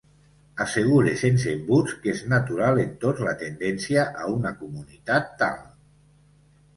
Assegure sense embuts que és natural en tots la tendència a una comunitat tal.